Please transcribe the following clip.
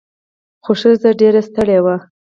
خو ښځه ډیره ستړې وه.